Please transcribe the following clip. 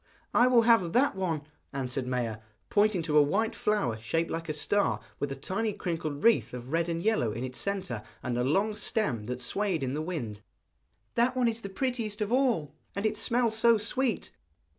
'I will have that one,' answered Maia, pointing to a white flower shaped like a star, with a tiny crinkled wreath of red and yellow in its centre, and a long stem that swayed in the wind; 'that one is the prettiest of all, and it smells so sweet.'